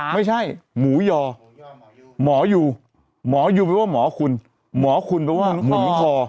ไม่ใช่หมูยอหมออยู่หมอยูไม่ว่าหมอคุณหมอคุณเพราะว่าหมุนคอ